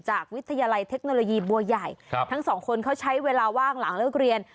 วิทยาลัยเทคโนโลยีบัวใหญ่ทั้งสองคนเขาใช้เวลาว่างหลังเลิกเรียน